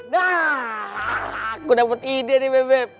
dah aku dapat ide nih bebe